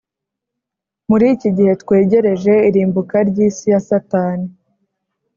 Muri iki gihe twegereje irimbuka ry isi ya Satani